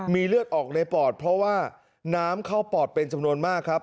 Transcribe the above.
มีเลือดออกในปอดเพราะว่าน้ำเข้าปอดเป็นจำนวนมากครับ